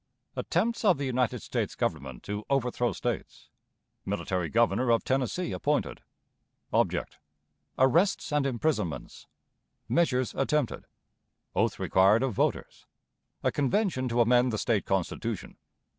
Attempts of the United States Government to overthrow States. Military Governor of Tennessee appointed. Object. Arrests and Imprisonments. Measures attempted. Oath required of Voters. A Convention to amend the State Constitution.